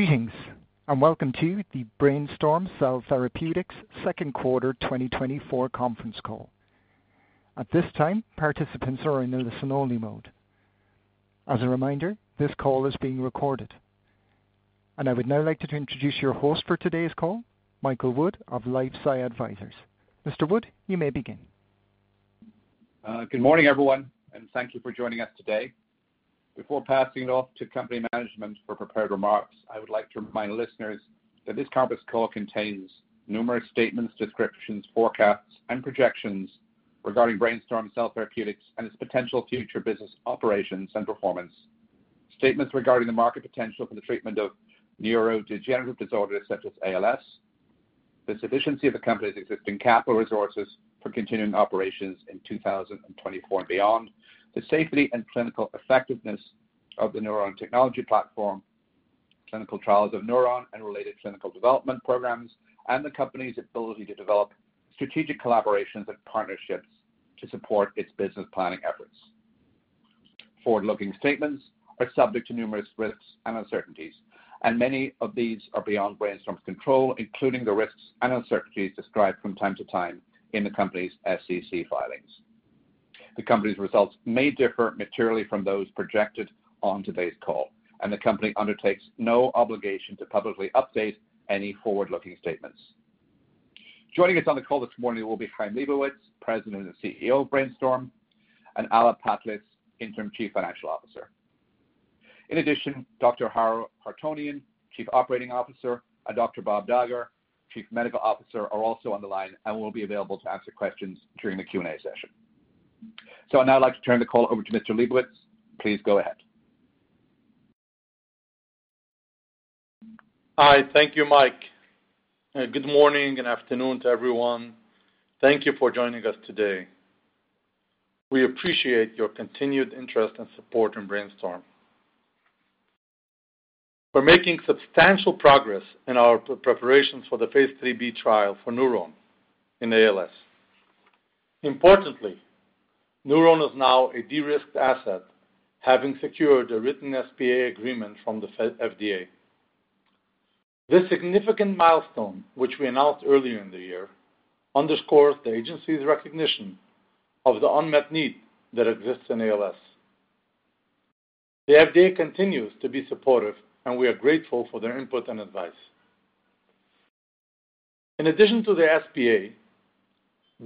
Greetings, and welcome to the BrainStorm Cell Therapeutics second quarter 2024 conference call. At this time, participants are in a listen-only mode. As a reminder, this call is being recorded. I would now like to introduce your host for today's call, Michael Wood of LifeSci Advisors. Mr. Wood, you may begin. Good morning, everyone, and thank you for joining us today. Before passing it off to company management for prepared remarks, I would like to remind listeners that this conference call contains numerous statements, descriptions, forecasts, and projections regarding BrainStorm Cell Therapeutics and its potential future business operations and performance. Statements regarding the market potential for the treatment of neurodegenerative disorders such as ALS, the sufficiency of the company's existing capital resources for continuing operations in 2024 and beyond, the safety and clinical effectiveness of the NurOwn technology platform, clinical trials of NurOwn and related clinical development programs, and the company's ability to develop strategic collaborations and partnerships to support its business planning efforts. Forward-looking statements are subject to numerous risks and uncertainties, and many of these are beyond BrainStorm's control, including the risks and uncertainties described from time to time in the company's SEC filings. The company's results may differ materially from those projected on today's call, and the company undertakes no obligation to publicly update any forward-looking statements. Joining us on the call this morning will be Chaim Lebovits, President and CEO of BrainStorm, and Alla Patlis, Interim Chief Financial Officer. In addition, Dr. Haro Hartounian, Chief Operating Officer, and Dr. Bob Dagher, Chief Medical Officer, are also on the line and will be available to answer questions during the Q&A session. I'd now like to turn the call over to Mr. Lebovits. Please go ahead. Hi. Thank you, Mike. Good morning and afternoon to everyone. Thank you for joining us today. We appreciate your continued interest and support in BrainStorm. We're making substantial progress in our preparations for the Phase 3b trial for NurOwn in ALS. Importantly, NurOwn is now a de-risked asset, having secured a written SPA agreement from the FDA. This significant milestone, which we announced earlier in the year, underscores the agency's recognition of the unmet need that exists in ALS. The FDA continues to be supportive, and we are grateful for their input and advice. In addition to the SPA,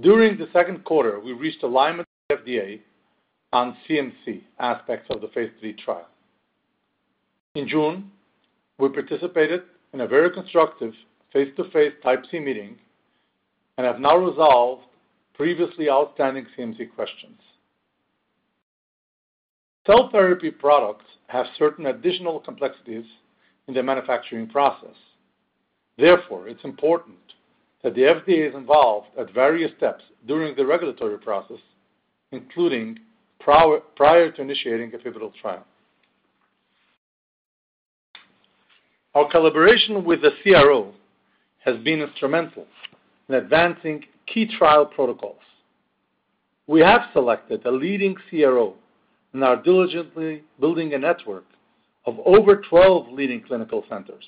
during the second quarter, we reached alignment with the FDA on CMC aspects of the Phase 3b trial. In June, we participated in a very constructive face-to-face Type C meeting and have now resolved previously outstanding CMC questions. Cell therapy products have certain additional complexities in the manufacturing process. Therefore, it's important that the FDA is involved at various steps during the regulatory process, including prior to initiating a pivotal trial. Our collaboration with the CRO has been instrumental in advancing key trial protocols. We have selected a leading CRO and are diligently building a network of over 12 leading clinical centers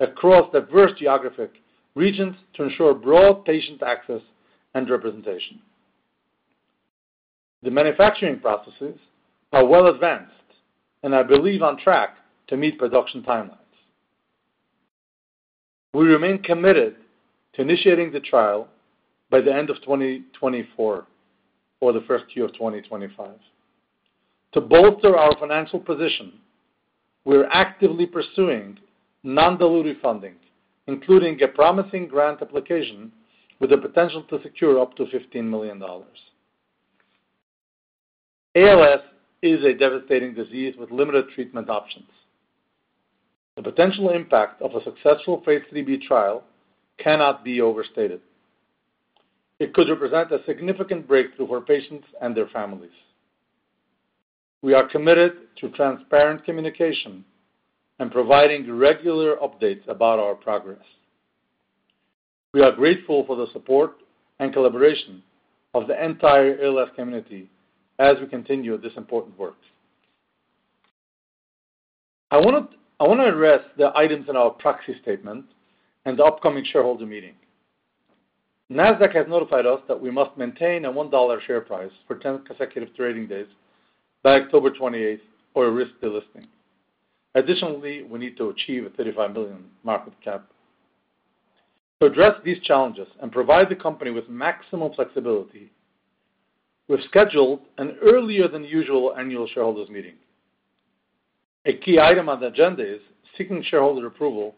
across diverse geographic regions to ensure broad patient access and representation. The manufacturing processes are well advanced and, I believe, on track to meet production timelines. We remain committed to initiating the trial by the end of 2024 or the first Q of 2025. To bolster our financial position, we're actively pursuing non-dilutive funding, including a promising grant application with the potential to secure up to $15 million. ALS is a devastating disease with limited treatment options. The potential impact of a successful Phase 3b trial cannot be overstated. It could represent a significant breakthrough for patients and their families. We are committed to transparent communication and providing regular updates about our progress. We are grateful for the support and collaboration of the entire ALS community as we continue this important work. I want to address the items in our proxy statement and the upcoming shareholder meeting. Nasdaq has notified us that we must maintain a $1 share price for 10 consecutive trading days by October 28th, or risk delisting. Additionally, we need to achieve a $35 million market cap. To address these challenges and provide the company with maximal flexibility, we've scheduled an earlier-than-usual annual shareholders meeting. A key item on the agenda is seeking shareholder approval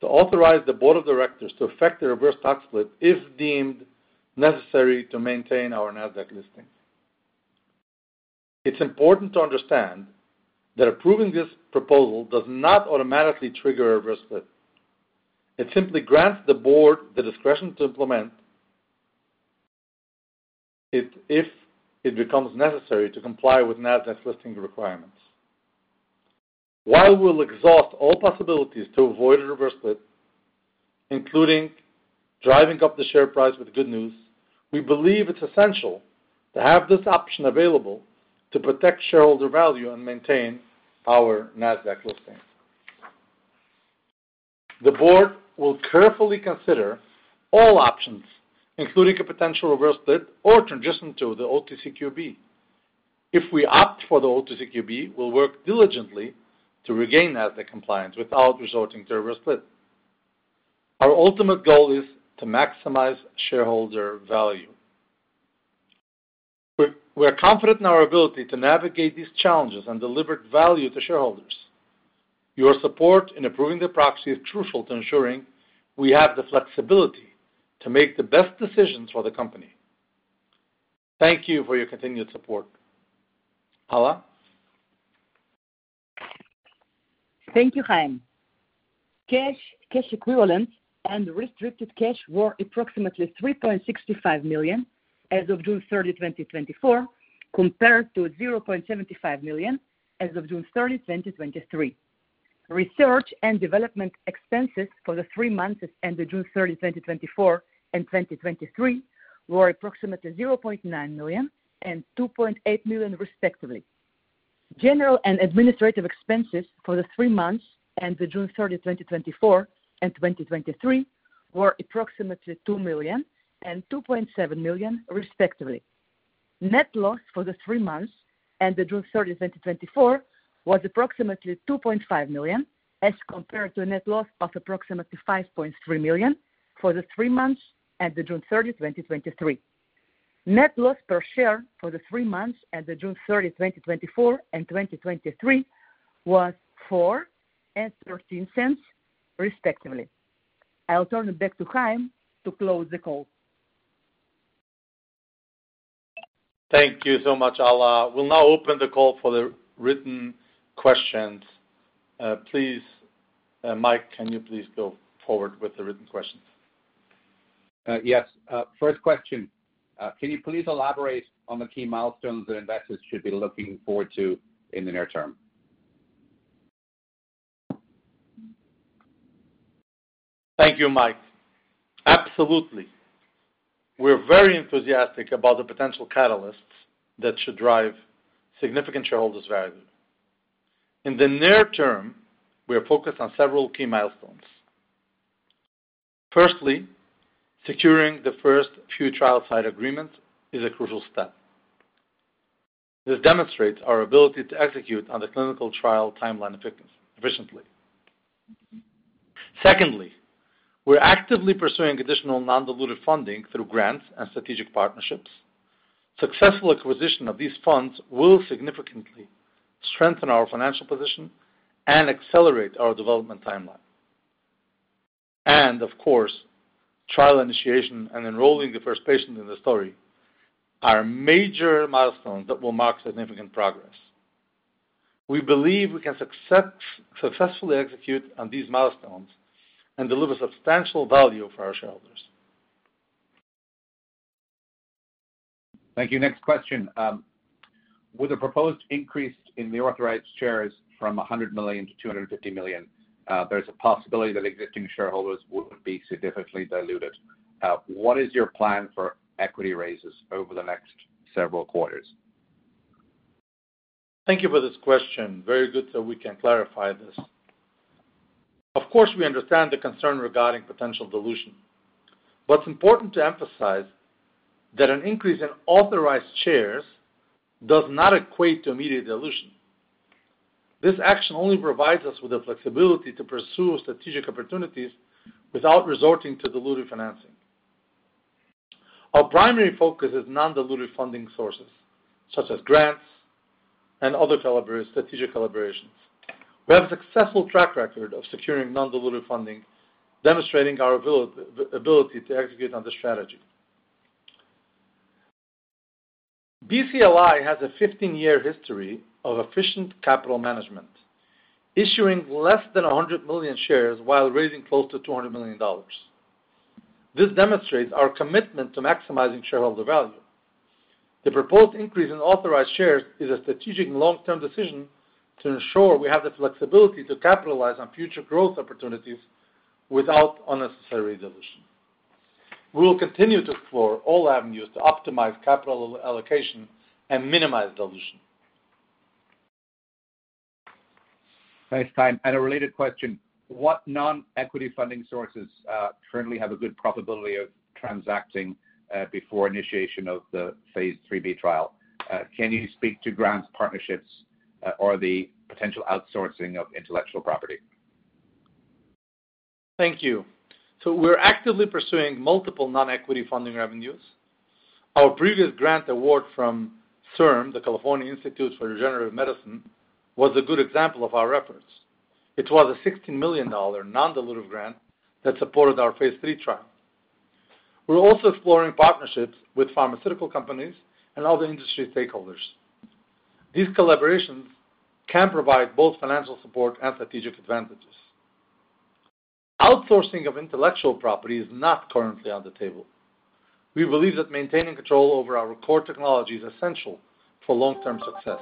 to authorize the board of directors to affect the reverse stock split if deemed necessary to maintain our Nasdaq listing. It's important to understand that approving this proposal does not automatically trigger a reverse split. It simply grants the board the discretion to implement it if it becomes necessary to comply with Nasdaq's listing requirements. While we'll exhaust all possibilities to avoid a reverse split, including driving up the share price with good news, we believe it's essential to have this option available to protect shareholder value and maintain our Nasdaq listing. The board will carefully consider all options, including a potential reverse split or transition to the OTCQB. If we opt for the OTCQB, we'll work diligently to regain Nasdaq compliance without resorting to a reverse split. Our ultimate goal is to maximize shareholder value. We're confident in our ability to navigate these challenges and deliver value to shareholders. Your support in approving the proxy is crucial to ensuring we have the flexibility to make the best decisions for the company. Thank you for your continued support. Alla? Thank you, Chaim. Cash, cash equivalents, and restricted cash were approximately $3.65 million as of June 30, 2024, compared to $0.75 million as of June 30, 2023. Research and development expenses for the three months that ended June 30, 2024 and 2023, were approximately $0.9 million and $2.8 million, respectively. General and administrative expenses for the three months ended June 30, 2024 and 2023, were approximately $2 million and $2.7 million, respectively. Net loss for the three months ended June 30, 2024, was approximately $2.5 million, as compared to a net loss of approximately $5.3 million for the three months ended June 30, 2023. Net loss per share for the three months ended June 30, 2024 and 2023, was $0.04 and $0.13, respectively. I'll turn it back to Chaim to close the call. Thank you so much, Alla. We'll now open the call for the written questions. Please, Mike, can you please go forward with the written questions? Yes. First question: Can you please elaborate on the key milestones that investors should be looking forward to in the near term? Thank you, Mike. Absolutely. We're very enthusiastic about the potential catalysts that should drive significant shareholders' value. In the near term, we are focused on several key milestones. Firstly, securing the first few trial site agreements is a crucial step. This demonstrates our ability to execute on the clinical trial timeline effectively, efficiently. Secondly, we're actively pursuing additional non-dilutive funding through grants and strategic partnerships. Successful acquisition of these funds will significantly strengthen our financial position and accelerate our development timeline. And of course, trial initiation and enrolling the first patient in the study are major milestones that will mark significant progress. We believe we can successfully execute on these milestones and deliver substantial value for our shareholders. Thank you. Next question. With a proposed increase in the authorized shares from 100 million to 250 million, there's a possibility that existing shareholders would be significantly diluted. What is your plan for equity raises over the next several quarters? Thank you for this question. Very good, so we can clarify this. Of course, we understand the concern regarding potential dilution, but it's important to emphasize that an increase in authorized shares does not equate to immediate dilution. This action only provides us with the flexibility to pursue strategic opportunities without resorting to dilutive financing. Our primary focus is non-dilutive funding sources, such as grants and other strategic collaborations. We have a successful track record of securing non-dilutive funding, demonstrating our ability to execute on the strategy. BCLI has a 15-year history of efficient capital management, issuing less than 100 million shares while raising close to $200 million. This demonstrates our commitment to maximizing shareholder value. The proposed increase in authorized shares is a strategic long-term decision to ensure we have the flexibility to capitalize on future growth opportunities without unnecessary dilution. We will continue to explore all avenues to optimize capital allocation and minimize dilution. Thanks, Chaim. A related question: What non-equity funding sources currently have a good probability of transacting before initiation of the Phase 3b trial? Can you speak to grants, partnerships, or the potential outsourcing of intellectual property? Thank you. So we're actively pursuing multiple non-equity funding avenues. Our previous grant award from CIRM, the California Institute for Regenerative Medicine, was a good example of our efforts. It was a $60 million non-dilutive grant that supported our Phase III trial. We're also exploring partnerships with pharmaceutical companies and other industry stakeholders. These collaborations can provide both financial support and strategic advantages. Outsourcing of intellectual property is not currently on the table. We believe that maintaining control over our core technology is essential for long-term success....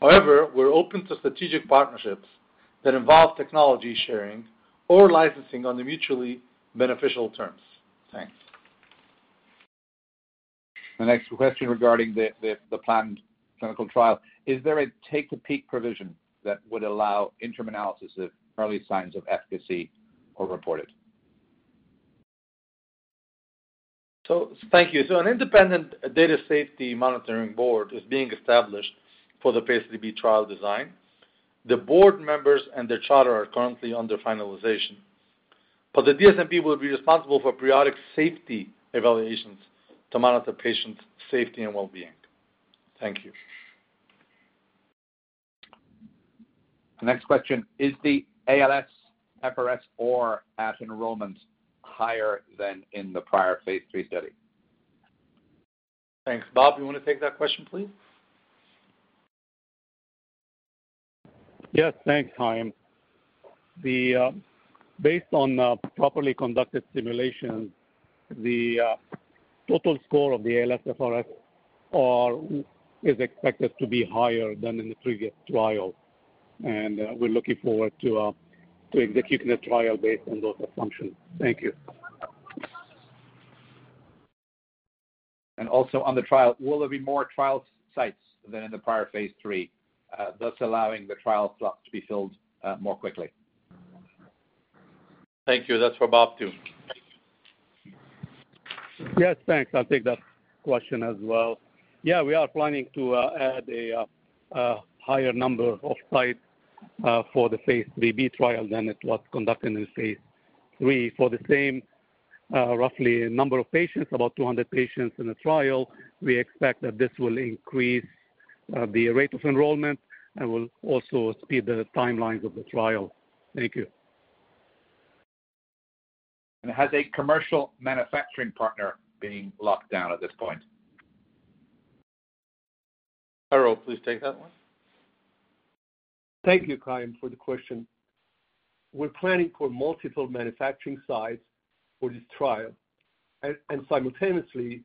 However, we're open to strategic partnerships that involve technology sharing or licensing on the mutually beneficial terms. Thanks. The next question regarding the planned clinical trial: Is there a take-a-peek provision that would allow interim analysis of early signs of efficacy are reported? Thank you. An independent data safety monitoring board is being established for the Phase 3b trial design. The board members and their charter are currently under finalization, but the DSMB will be responsible for periodic safety evaluations to monitor patient safety and well-being. Thank you. The next question: Is the ALSFRS-R at enrollments higher than in the prior Phase III study? Thanks. Bob, you want to take that question, please? Yes, thanks, Chaim. Based on properly conducted simulation, the total score of the ALSFRS-R is expected to be higher than in the previous trial, and we're looking forward to executing the trial based on those assumptions. Thank you. Also, on the trial, will there be more trial sites than in the prior Phase III, thus allowing the trial slot to be filled more quickly? Thank you. That's for Bob, too. Yes, thanks. I'll take that question as well. Yeah, we are planning to add a higher number of sites for the Phase 3b trial than it was conducted in phase III. For the same roughly number of patients, about 200 patients in the trial, we expect that this will increase the rate of enrollment and will also speed the timelines of the trial. Thank you. Has a commercial manufacturing partner being locked down at this point? Haro, please take that one. Thank you, Chaim, for the question. We're planning for multiple manufacturing sites for this trial and simultaneously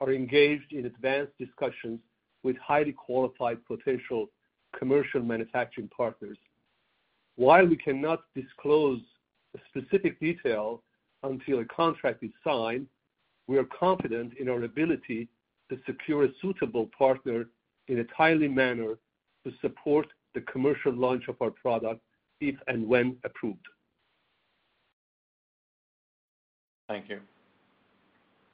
are engaged in advanced discussions with highly qualified potential commercial manufacturing partners. While we cannot disclose the specific detail until a contract is signed, we are confident in our ability to secure a suitable partner in a timely manner to support the commercial launch of our product, if and when approved. Thank you.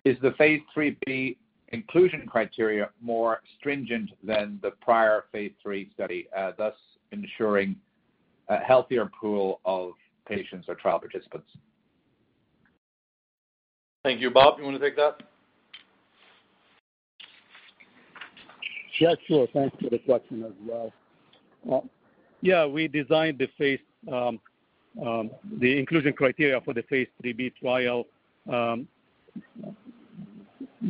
Is the Phase 3b inclusion criteria more stringent than the prior Phase III study, thus ensuring a healthier pool of patients or trial participants? Thank you. Bob, you want to take that? Yeah, sure. Thanks for the question as well. Yeah, we designed the phase, the inclusion criteria for the Phase 3b trial,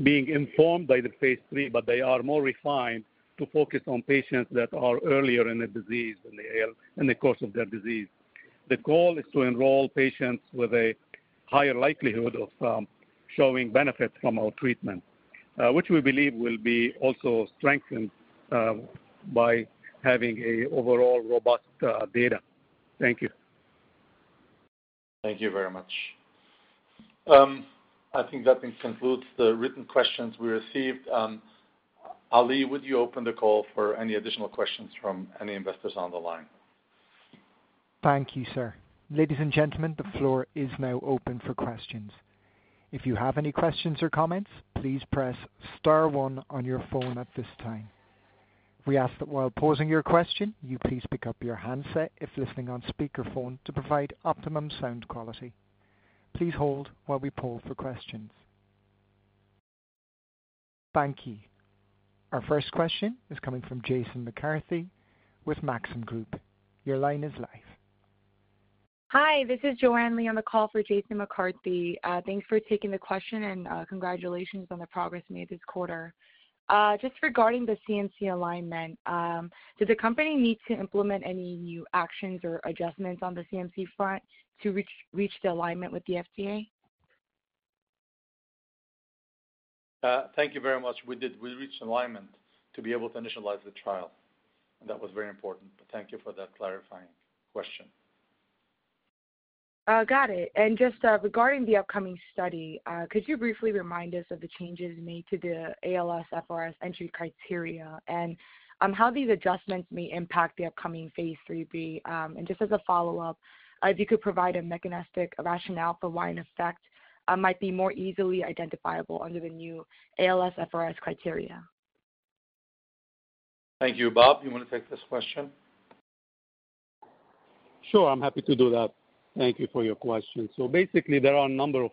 being informed by the phase III, but they are more refined to focus on patients that are earlier in the disease, in the course of their disease. The goal is to enroll patients with a higher likelihood of showing benefit from our treatment, which we believe will be also strengthened by having an overall robust data. Thank you. Thank you very much. I think that concludes the written questions we received. I'll leave, would you open the call for any additional questions from any investors on the line? Thank you, sir. Ladies and gentlemen, the floor is now open for questions. If you have any questions or comments, please press star one on your phone at this time. We ask that while posing your question, you please pick up your handset if listening on speaker phone to provide optimum sound quality. Please hold while we poll for questions. Thank you. Our first question is coming from Jason McCarthy with Maxim Group. Your line is live. Hi, this is Joanne Lee on the call for Jason McCarthy. Thanks for taking the question, and, congratulations on the progress made this quarter. Just regarding the CMC alignment, does the company need to implement any new actions or adjustments on the CMC front to reach, reach the alignment with the FDA? Thank you very much. We did. We reached alignment to be able to initialize the trial, and that was very important. But thank you for that clarifying question. Got it. And just regarding the upcoming study, could you briefly remind us of the changes made to the ALSFRS-R entry criteria, and how these adjustments may impact the upcoming Phase 3b? And just as a follow-up, if you could provide a mechanistic rationale for why an effect might be more easily identifiable under the new ALSFRS-R criteria. Thank you. Bob, you want to take this question? Sure, I'm happy to do that. Thank you for your question. So basically, there are a number of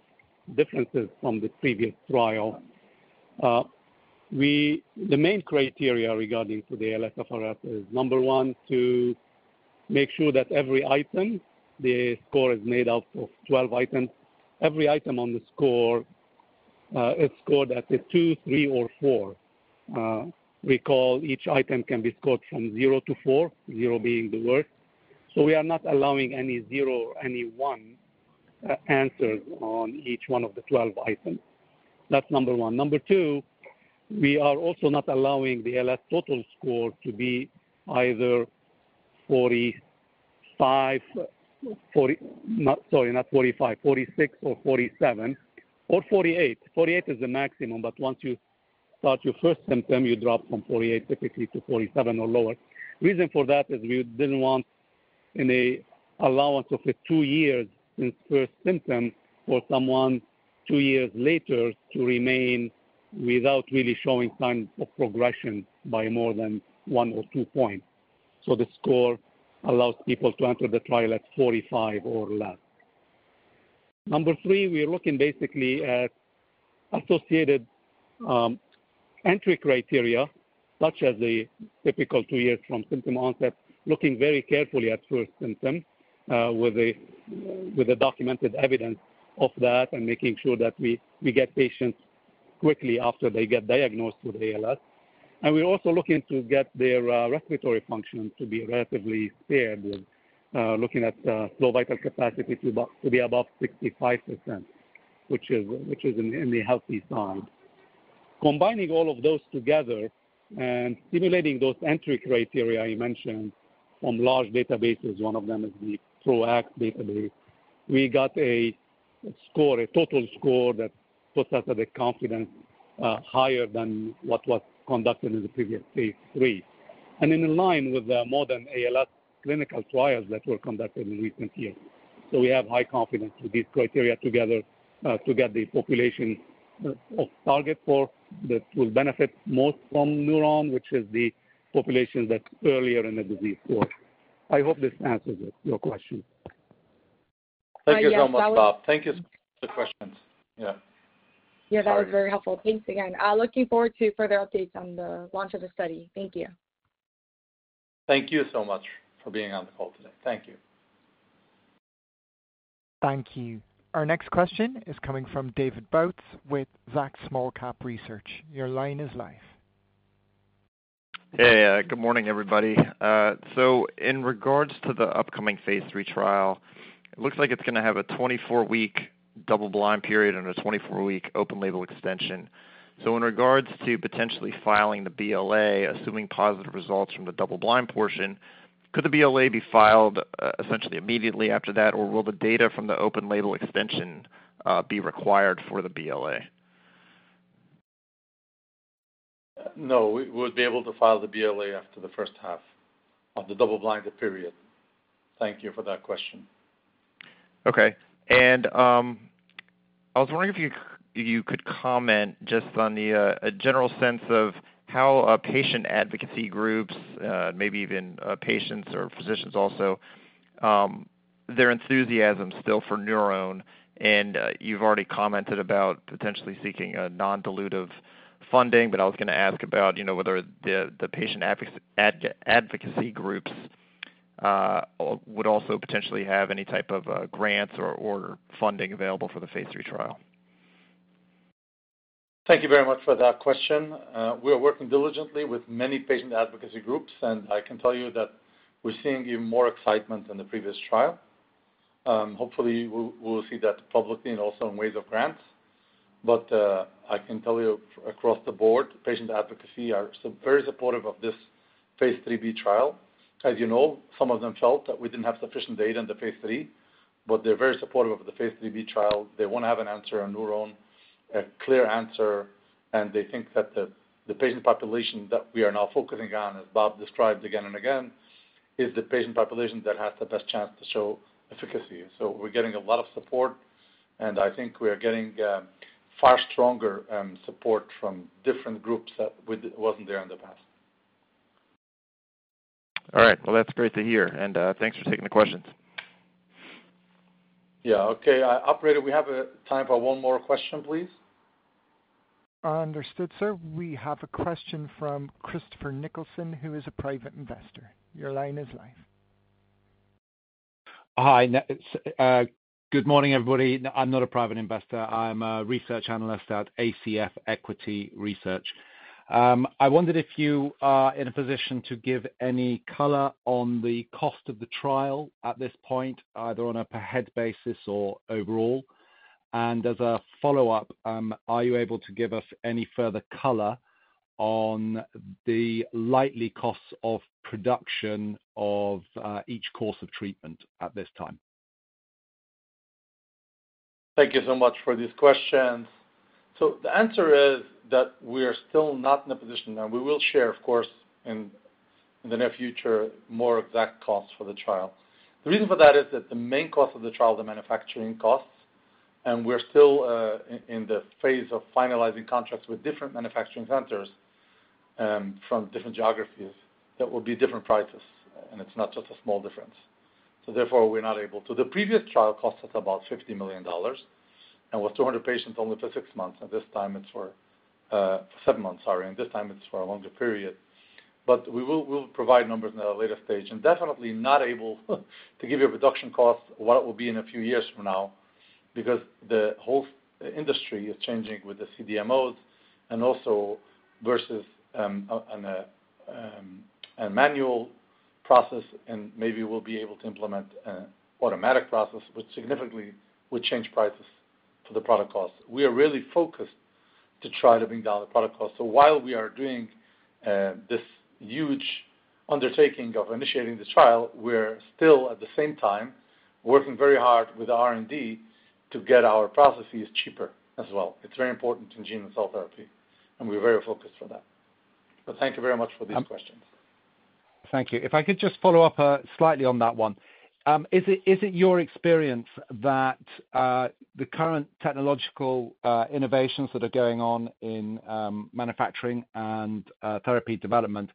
differences from the previous trial. The main criteria regarding to the ALSFRS is, number one, to make sure that every item, the score is made up of 12 items, every item on the score, is scored at a 2, 3, or 4. Recall, each item can be scored from 0 to 4, 0 being the worst. So we are not allowing any 0 or any 1 answered on each one of the 12 items. That's number one. Number two, we are also not allowing the LS total score to be either 45, 40-- not, sorry, not 45, 46 or 47 or 48. 48 is the maximum, but once you start your first symptom, you drop from 48 typically to 47 or lower. Reason for that is we didn't want any allowance of the 2 years since first symptom for someone 2 years later to remain without really showing signs of progression by more than 1 or 2 points. So the score allows people to enter the trial at 45 or less. Number 3, we are looking basically at associated entry criteria, such as the typical 2 years from symptom onset, looking very carefully at first symptom with a documented evidence of that, and making sure that we get patients quickly after they get diagnosed with ALS. And we're also looking to get their respiratory function to be relatively spared with looking at slow vital capacity to be above 65%, which is in the healthy side. Combining all of those together and simulating those entry criteria I mentioned on large databases, one of them is the PRO-ACT database. We got a score, a total score, that puts us at a confidence higher than what was conducted in the previous phase III, and in line with the modern ALS clinical trials that were conducted in recent years. So we have high confidence with these criteria together to get the population of target for that will benefit most from NurOwn, which is the population that's earlier in the disease course. I hope this answers your question. Thank you so much, Bob. Thank you for the questions. Yeah. Yeah, that was very helpful. Thanks again. Looking forward to further updates on the launch of the study. Thank you. Thank you so much for being on the call today. Thank you. Thank you. Our next question is coming from David Bautz with Zacks Small-Cap Research. Your line is live. Hey, good morning, everybody. So in regards to the upcoming phase III trial, it looks like it's gonna have a 24-week double-blind period and a 24-week open-label extension. So in regards to potentially filing the BLA, assuming positive results from the double-blind portion, could the BLA be filed, essentially immediately after that, or will the data from the open-label extension be required for the BLA? No, we would be able to file the BLA after the first half of the double-blinded period. Thank you for that question. Okay. And I was wondering if you could comment just on the, a general sense of how, patient advocacy groups, maybe even, patients or physicians also, their enthusiasm still for NurOwn. And you've already commented about potentially seeking a non-dilutive funding, but I was gonna ask about, you know, whether the, the patient advocacy groups, would also potentially have any type of, grants or funding available for the Phase III trial. Thank you very much for that question. We are working diligently with many patient advocacy groups, and I can tell you that we're seeing even more excitement than the previous trial. Hopefully, we'll see that publicly and also in ways of grants. But, I can tell you across the board, patient advocacy are so very supportive of this Phase 3b trial. As you know, some of them felt that we didn't have sufficient data in the Phase III, but they're very supportive of the Phase 3b trial. They want to have an answer on NurOwn, a clear answer, and they think that the patient population that we are now focusing on, as Bob described again and again, is the patient population that has the best chance to show efficacy. We're getting a lot of support, and I think we are getting far stronger support from different groups that wasn't there in the past. All right. Well, that's great to hear, and thanks for taking the questions. Yeah, okay. Operator, we have time for one more question, please. Understood, sir. We have a question from Christopher Nicholson, who is a private investor. Your line is live. Hi, good morning, everybody. I'm not a private investor. I'm a research analyst at ACF Equity Research. I wondered if you are in a position to give any color on the cost of the trial at this point, either on a per head basis or overall? And as a follow-up, are you able to give us any further color on the likely costs of production of each course of treatment at this time? Thank you so much for these questions. So the answer is that we are still not in a position, and we will share, of course, in the near future, more exact costs for the trial. The reason for that is that the main cost of the trial, the manufacturing costs, and we're still in the phase of finalizing contracts with different manufacturing centers from different geographies. That will be different prices, and it's not just a small difference. So therefore, we're not able to. The previous trial cost us about $50 million, and with 200 patients only for 6 months, and this time it's for 7 months, sorry, and this time it's for a longer period. But we'll provide numbers in a later stage, and definitely not able to give you a production cost, what it will be in a few years from now, because the whole industry is changing with the CDMOs and also versus a manual process, and maybe we'll be able to implement automatic process, which significantly will change prices to the product costs. We are really focused to try to bring down the product cost. So while we are doing this huge undertaking of initiating this trial, we're still, at the same time, working very hard with R&D to get our processes cheaper as well. It's very important in gene and cell therapy, and we're very focused for that. But thank you very much for these questions. Thank you. If I could just follow up slightly on that one. Is it, is it your experience that the current technological innovations that are going on in manufacturing and therapy development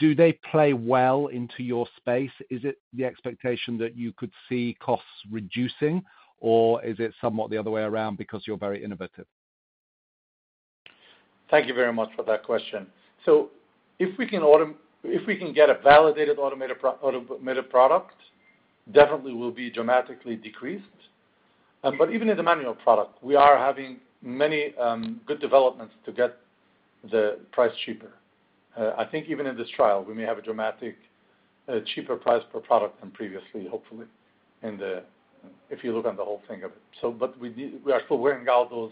do they play well into your space? Is it the expectation that you could see costs reducing, or is it somewhat the other way around because you're very innovative? Thank you very much for that question. So if we can get a validated automated product, definitely will be dramatically decreased. But even in the manual product, we are having many good developments to get the price cheaper. I think even in this trial, we may have a dramatic cheaper price per product than previously, hopefully, in the... If you look on the whole thing of it. So but we are still working out those.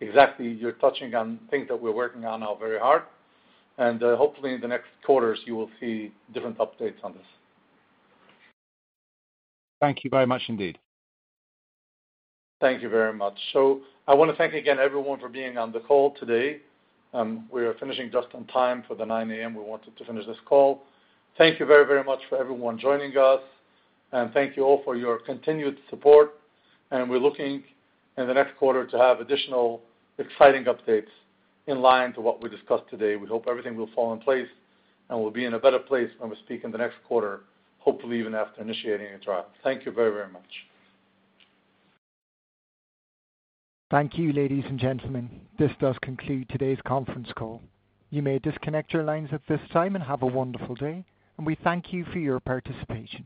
Exactly, you're touching on things that we're working on now very hard, and hopefully in the next quarters, you will see different updates on this. Thank you very much indeed. Thank you very much. So I wanna thank again everyone for being on the call today. We are finishing just on time for the 9:00 A.M., we wanted to finish this call. Thank you very, very much for everyone joining us, and thank you all for your continued support, and we're looking in the next quarter to have additional exciting updates in line to what we discussed today. We hope everything will fall in place, and we'll be in a better place when we speak in the next quarter, hopefully even after initiating a trial. Thank you very, very much. Thank you, ladies and gentlemen. This does conclude today's conference call. You may disconnect your lines at this time, and have a wonderful day, and we thank you for your participation.